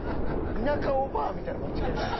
田舎おばあみたいな間違い方して。